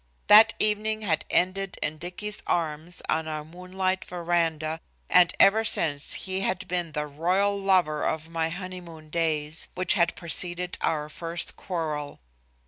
That evening had ended in Dicky's arms on our moonlight veranda, and ever since he had been the royal lover of the honeymoon days, which had preceded our first quarrel.